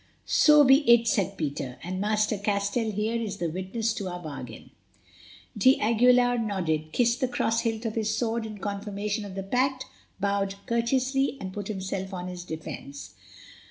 "So be it," said Peter, "and Master Castell here is the witness to our bargain." d'Aguilar nodded, kissed the cross hilt of his sword in confirmation of the pact, bowed courteously, and put himself on his defence.